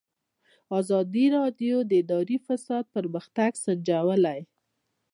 ازادي راډیو د اداري فساد پرمختګ سنجولی.